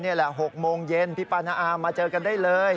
นี่แหละ๖โมงเย็นพี่ป้าน้าอามาเจอกันได้เลย